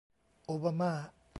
โอบาม่า